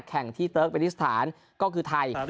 แข่งที่เติร์กเมนิสถานก็คือไทย